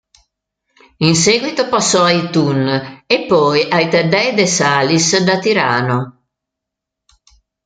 In seguito passò ai Thun e poi ai Taddei de Salis da Tirano.